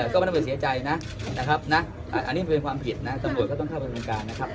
ก็ไม่ต้องเผื่อเสียใจนะนะครับนะอันนี้เป็นความผิดนะต้องโดยก็ต้องเข้าประธานการณ์นะครับ